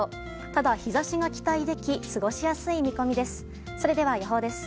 ただ、日差しが期待でき過ごしやすい見込みです。